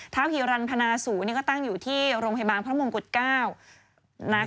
ท้าวฮิรันพญาศูนย์ก็ตั้งอยู่ที่โรงพยาบาลพระมงกุฎเกล้า